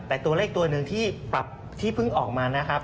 แต่ตัวเลขตัวหนึ่งที่ปรับที่เพิ่งออกมานะครับ